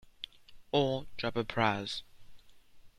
Or drop a prize.